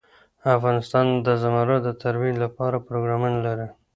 افغانستان د زمرد د ترویج لپاره پروګرامونه لري.